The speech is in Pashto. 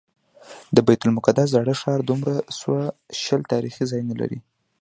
د بیت المقدس زاړه ښار دوه سوه شل تاریخي ځایونه لري.